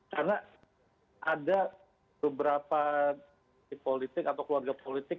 karena ada beberapa politik atau keluarga politik